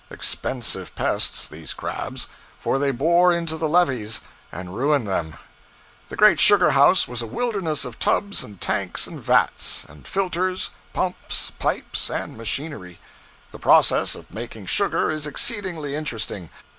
Expensive pests, these crabs; for they bore into the levees, and ruin them. The great sugar house was a wilderness of tubs and tanks and vats and filters, pumps, pipes, and machinery. The process of making sugar is exceedingly interesting.